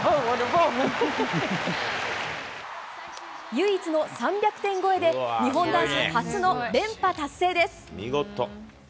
唯一の３００点超えで、日本男子初の連覇達成です。